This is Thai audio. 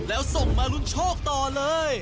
แล้วส่งมารุนโชคต่อเลย